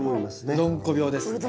うどんこ病ですね。